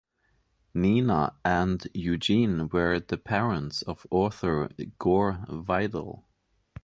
Nina and Eugene were the parents of author Gore Vidal.